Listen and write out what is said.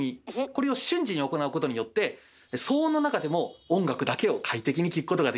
これを瞬時に行うことによって騒音の中でも音楽だけを快適に聴くことができるんです。